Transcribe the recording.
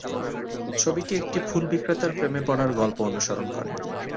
ছবিটি একটি ফুল বিক্রেতার প্রেমে পড়ার গল্প অনুসরণ করে।